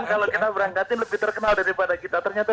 kalau kita berangkatin lebih terkenal daripada kita ternyata